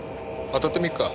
あたってみっか。